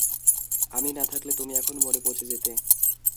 আমি না থাকলে তুমি এখন মরে পঁচে যেতে।